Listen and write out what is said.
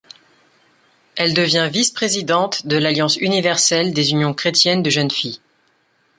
Elle devient vice-présidente de l'Alliance universelle des unions chrétiennes de jeunes filles.